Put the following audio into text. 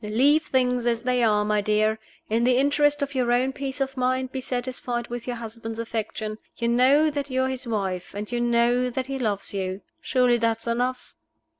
"Leave things as they are, my dear. In the interest of your own peace of mind be satisfied with your husband's affection. You know that you are his wife, and you know that he loves you. Surely that is enough?"